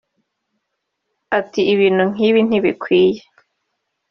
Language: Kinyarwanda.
Ati “Ibintu nk’ibi ntibikwiye